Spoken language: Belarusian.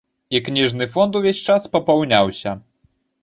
І кніжны фонд увесь час папаўняўся.